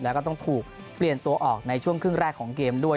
แล้วก็ต้องถูกเปลี่ยนตัวออกในช่วงครึ่งแรกของเกมด้วย